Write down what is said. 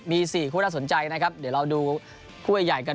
มี๔คู่น่าสนใจนะครับเดี๋ยวเราดูคู่ใหญ่กัน